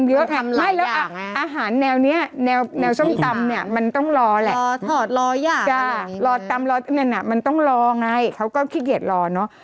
ใช่เราต้องรอไงน่ะมันต้องรอไงเขาก็ขี้เกียจรอเนาะ